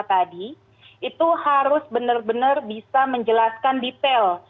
hasil otopsi yang pertama tadi itu harus benar benar bisa menjelaskan detail